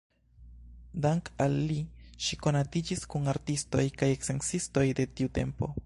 Dank‘ al li ŝi konatiĝis kun artistoj kaj sciencistoj de tiu tempo.